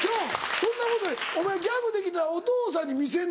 そんなことよりお前ギャグできたらお父さんに見せんの？